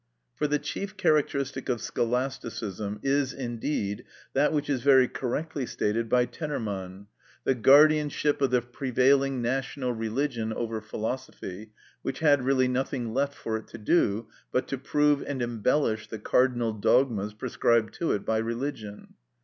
For the chief characteristic of Scholasticism is, indeed, that which is very correctly stated by Tennemann, the guardianship of the prevailing national religion over philosophy, which had really nothing left for it to do but to prove and embellish the cardinal dogmas prescribed to it by religion.